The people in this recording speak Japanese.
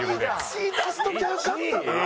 １位出しときゃよかったなあ。